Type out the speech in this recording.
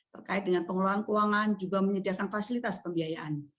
terkait dengan pengelolaan keuangan juga menyediakan fasilitas pembiayaan